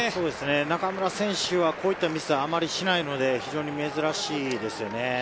中村選手はこういったミスはあまりしないので非常に珍しいですよね。